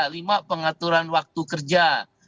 lima pengaturan waktu kerja